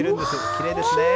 きれいですね。